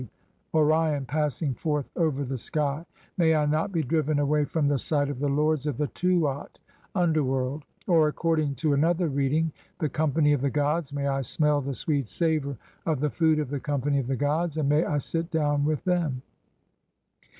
e., Orion) passing "forth over the sky ; may I not be driven away from the sight "of the lords of the Tuat (underworld)" (ig) or, according to another reading, "the company of the gods ; may I smell the "sweet savour of the food of the company of the gods, and may "I sit down with them.